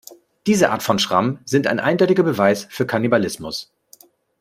Diese Art von Schrammen sind ein eindeutiger Beweis für Kannibalismus.